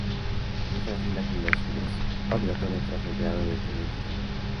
De no ser así, la jubilación es obligatoria tras el grado de teniente coronel.